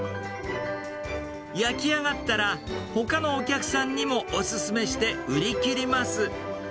焼き上がったら、ほかのお客さんにもお勧めして、売り切ります。